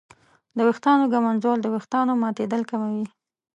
د ویښتانو ږمنځول د ویښتانو ماتېدل کموي.